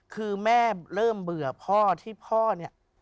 คือแม่เริ่มเบื่อพ่อที่พ่อเนี่ย